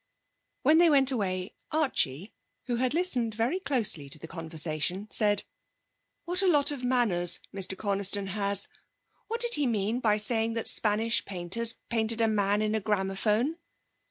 When they went away Archie, who had listened very closely to the conversation, said: 'What a lot of manners Mr Coniston has! What did he mean by saying that Spanish painters painted a man in a gramophone?'